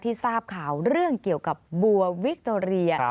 ทราบข่าวเรื่องเกี่ยวกับบัววิคโตเรีย